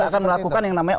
akan melakukan yang namanya